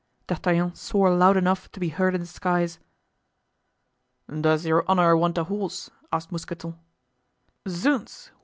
D'Artagnan swore loud enough to be heard in the skies. "Does your honor want a horse?" asked Mousqueton. "Zounds!